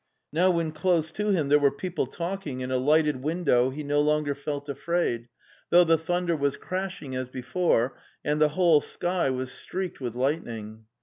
Now when close to him there were people talking and a lighted window he no longer felt afraid, though the thunder was crashing as before and the whole sky was streaked with lightning.